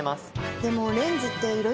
でも。